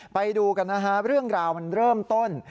ไปดูกันนะฮะเรื่องราวมันเริ่มต้น